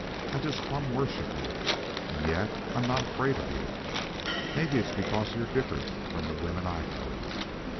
I just plumb worship you, and yet I'm not afraid of you. Mebbe it's because you're different from the women I know.